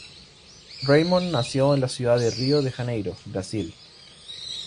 Reymond nació en la ciudad de Río de Janeiro, Brasil.